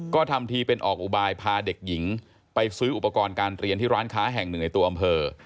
ก็ทำทีเป็นออกอุบายพาเด็กหญิงไปซื้ออุปกรณ์การเรียนที่ร้านค้าแห่งหนึ่งในตัวอำเภอ